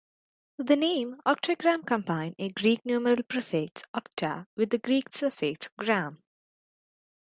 The name "octagram" combine a Greek numeral prefix, "octa-", with the Greek suffix "-gram".